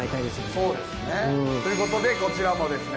そうですねということでこちらもですね